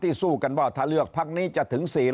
สู้กันว่าถ้าเลือกพักนี้จะถึง๔๐